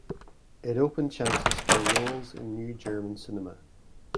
It opened chances for roles in New German Cinema.